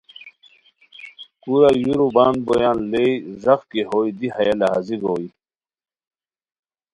کورا یُورو بند بویان لیے ݱاق کی ہوئے دی ہیہ لہازی گوئے